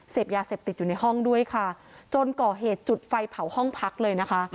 เสพยาเสพติดอยู่ในห้องด้วยค่ะจนก่อเหตุจุดไฟเผาห้องพักเลยนะคะ